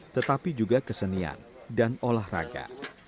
tetapi juga kesenian dan olahraga